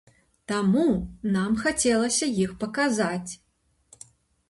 Таму, нам хацелася іх паказаць.